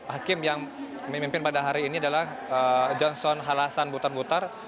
hakim yang memimpin pada hari ini adalah johnson halasan butar butar